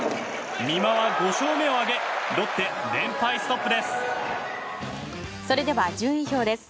美馬は５勝目を挙げロッテ、連敗ストップです。